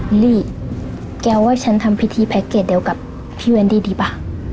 หลีแกว่าฉันทำพิธีแพ็คเกจเดียวกับพี่เวนดี้ดีป่ะ